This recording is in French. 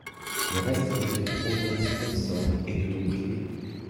Le reste des fonds provient de sponsors et de dons privés.